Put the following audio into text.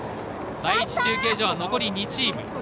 第１中継所は残り２チーム。